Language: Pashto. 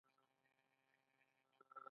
د کرفس شیره د څه لپاره وکاروم؟